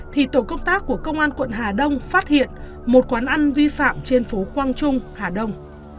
thì tổ công tác của công an quận hà đông phát hiện một quán ăn vi phạm trên phố quang trung hà đông